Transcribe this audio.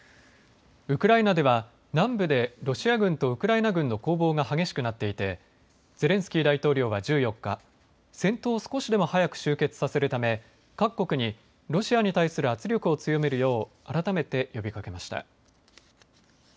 ウクライナでは南部でロシア軍とウクライナ軍の攻防が激しくなっていてゼレンスキー大統領は１４日、戦闘を少しでも早く終結させるため各国にロシアに対する圧力を強めるよう改めて呼びかけました。